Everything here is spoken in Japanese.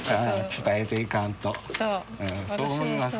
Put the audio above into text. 伝えていかんと。